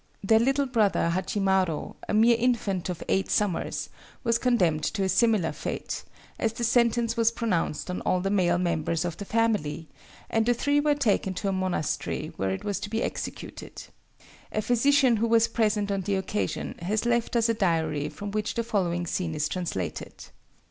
Their little brother Hachimaro, a mere infant of eight summers, was condemned to a similar fate, as the sentence was pronounced on all the male members of the family, and the three were taken to a monastery where it was to be executed. A physician who was present on the occasion has left us a diary from which the following scene is translated.